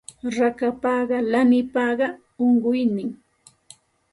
Rakapapas lanipapas unquynin